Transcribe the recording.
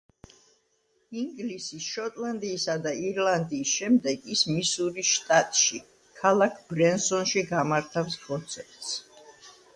ინგლისის, შოტლანდიისა და ირლანდიის შემდეგ ის მისურის შტატში, ქალა ბრენსონში გამართავს კონცერტს.